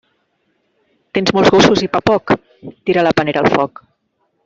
Tens molts gossos i pa poc?, tira la panera al foc.